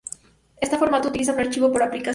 Este formato utiliza un archivo por aplicación.